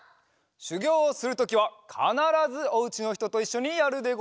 しゅぎょうをするときはかならずお家のひとといっしょにやるでござるぞ。